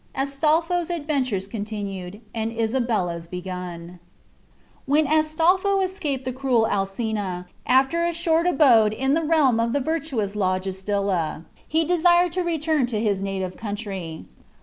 ASTOLPHO'S ADVENTURES CONTINUED, AND ISABELLA'S BEGUN When Astolpho escaped from the cruel Alcina, after a short abode in the realm of the virtuous Logestilla, he desired to return to his native country.